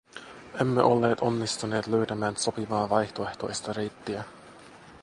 Emme olleet onnistuneet löytämään sopivaa vaihtoehtoista reittiä.